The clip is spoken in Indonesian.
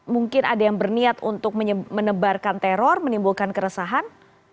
mungkin ada yang berniat untuk menebarkan teror menimbulkan keresahan